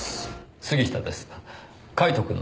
杉下です。